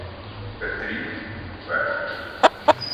Петрів В.